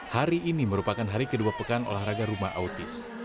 hari ini merupakan hari kedua pekan olahraga rumah autis